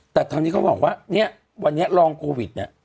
แต่ตอนนี้เขาบอกว่าเนี่ยวันนี้รองโควิดเนี่ย